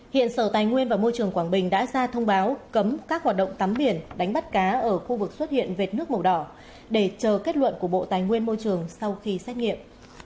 hiện sở tài nguyên và môi trường quảng bình đã ra thông báo cấm các hoạt động tắm biển đánh bắt cá ở khu vực xuất hiện vệt nước màu đỏ để chờ kết luận của bộ tài nguyên môi trường sau khi xét nghiệm